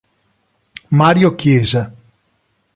Mario Chiesa